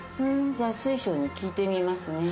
じゃあ水晶に聞いてみますね。